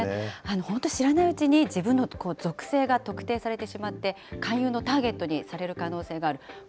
本当、知らないうちに、自分の属性が特定されてしまって、勧誘のターゲットにされる可能性がある。